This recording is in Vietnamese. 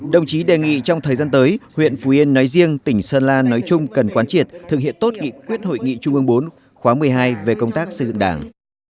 đồng chí đề nghị trong thời gian tới huyện phú yên nói riêng tỉnh sơn la nói chung cần quan triệt thực hiện tốt nghị quyết hội nghị trung ương bốn khóa một mươi hai về công tác xây dựng đảng